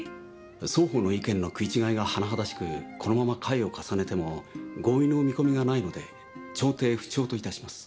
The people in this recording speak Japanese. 双方の意見の食い違いが甚だしくこのまま回を重ねても合意の見込みがないので調停不調といたします。